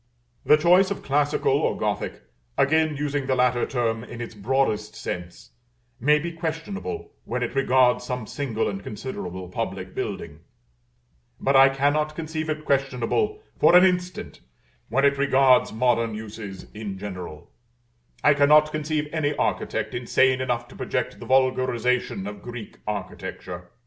The choice of Classical or Gothic, again using the latter term in its broadest sense, may be questionable when it regards some single and considerable public building; but I cannot conceive it questionable, for an instant, when it regards modern uses in general: I cannot conceive any architect insane enough to project the vulgarization of Greek architecture.